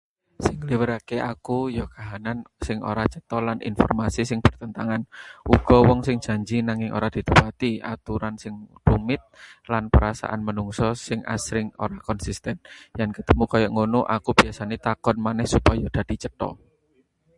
Sing ngelirwakake aku ya kahanan sing ora cetha lan informasi sing bertentangan. Uga wong sing janji nanging ora ditepati, aturan sing rumit, lan perasaan manungsa sing asring ora konsisten. Yen ketemu koyo ngono, aku biasane takon maneh supaya dadi cetha.